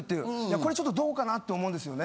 これちょっとどうかな？って思うんですよね。